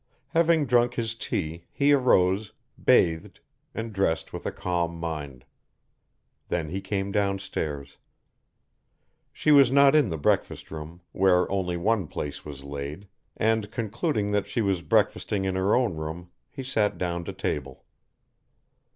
Having drunk his tea, he arose, bathed, and dressed with a calm mind. Then he came down stairs. She was not in the breakfast room, where only one place was laid, and, concluding that she was breakfasting in her own room, he sat down to table.